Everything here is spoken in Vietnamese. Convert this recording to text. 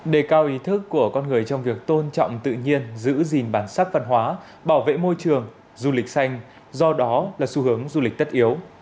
đề cao ý thức của con người trong việc tôn trọng tự nhiên giữ gìn bản sắc văn hóa bảo vệ môi trường du lịch xanh do đó là xu hướng du lịch tất yếu